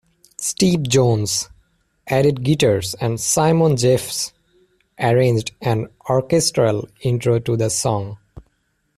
Steve Jones added guitars and Simon Jeffes arranged an orchestral intro to the song.